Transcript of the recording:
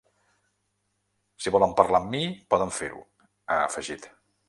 Si volen parlar amb mi, poden fer-ho, ha afegit.